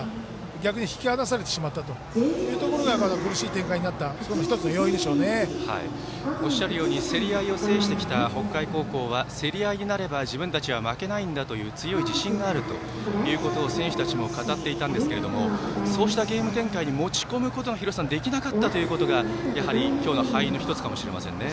逆に引き離されてしまったというところが苦しい展開になった競り合いを制してきた北海高校は競り合いになれば自分たちは負けないんだという強い自信があるということを選手たちも語っていたんですがそうしたゲーム展開に持ち込むことができなかったということがやはり今日の敗因の１つかもしれませんね。